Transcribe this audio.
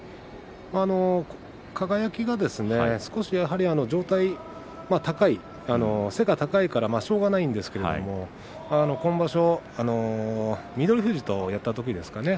輝が少し、上体が高い背が高いからしょうがないんですけれども今場所、翠富士とやったときですかね